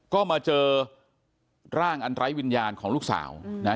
ก็มาเจอร่างอันไลฟ์วิญญาณของลูกสาวอืมนะฮะ